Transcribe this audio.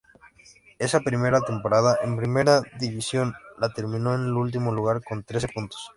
Esa primera temporada en Primera División la terminó en último lugar, con trece puntos.